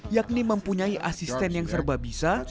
yakni mempunyai asisten yang serba bisa